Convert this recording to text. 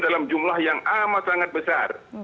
dalam jumlah yang amat sangat besar